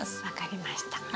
分かりました。